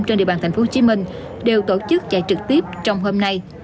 trên địa bàn tp hcm đều tổ chức chạy trực tiếp trong hôm nay